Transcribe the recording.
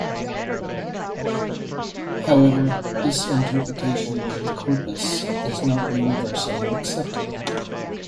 However, this interpretation of the corpus is not universally accepted.